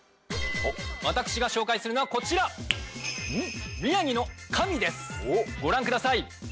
私が紹介するのはこちら宮城の神ですご覧ください